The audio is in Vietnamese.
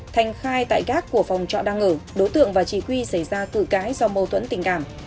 thành khai tại gác của phòng trọ đang ở đối tượng và chị quy xảy ra cử cái do mâu thuẫn tình cảm